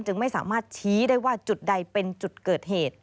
ไม่สามารถชี้ได้ว่าจุดใดเป็นจุดเกิดเหตุ